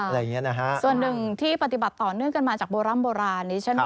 ส่วนหนึ่งที่ปฏิบัติต่อเนื่องกันมาจากโบรัมโบราณ